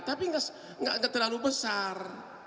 tapi nggak terlalu besar